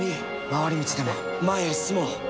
回り道でも前へ進もう。